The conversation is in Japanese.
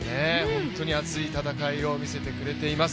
本当に熱い戦いを見せてくれています。